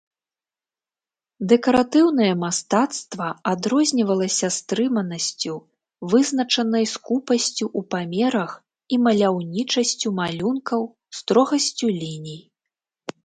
Дэкаратыўнае мастацтва адрознівалася стрыманасцю, вызначанай скупасцю ў памерах і маляўнічасцю малюнкаў, строгасцю ліній.